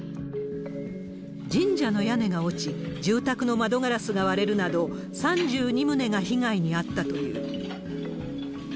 神社の屋根が落ち、住宅の窓ガラスが割れるなど、３２棟が被害に遭ったという。